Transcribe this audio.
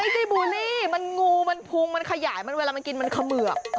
ไม่ใช่บูลลี่มันงูมันพุงมันขยายเวลามันกินมันเขมือก